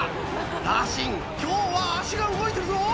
ラシン今日は足が動いてるぞ。